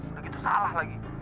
udah gitu salah lagi